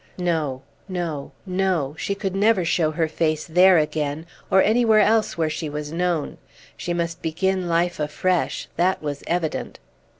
No, no, no; she could never show her face there again, or anywhere else where she was known. She must begin life afresh, that was evident.